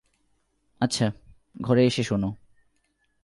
আচ্ছা, ঘরে এসে শোনো।